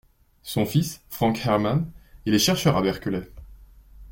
Son fils, Franck Herman, il est chercheur à Berkeley…